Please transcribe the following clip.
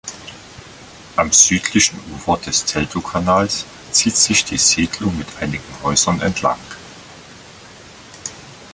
Am südlichen Ufer des Teltowkanals zieht sich die Siedlung mit einigen Häusern entlang.